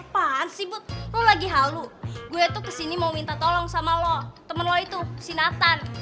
apaan sih bud lu lagi halu gue tuh kesini mau minta tolong sama lo temen lo itu si nathan